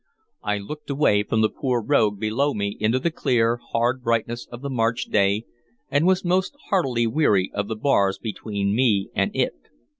I looked away from the poor rogue below me into the clear, hard brightness of the March day, and was most heartily weary of the bars between me and it.